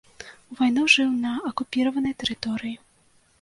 У вайну жыў на акупіраванай тэрыторыі.